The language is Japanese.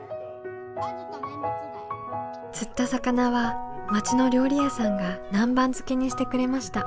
釣った魚は町の料理屋さんが南蛮漬けにしてくれました。